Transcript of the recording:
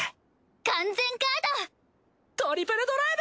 完全ガード！